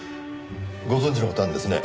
ご存じの事あるんですね。